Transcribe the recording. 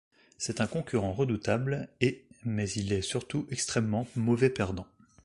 C'est un concurrent redoutable et mais il est surtout extrêmement mauvais perdant.